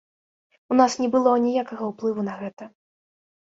У нас не было аніякага ўплыву на гэта.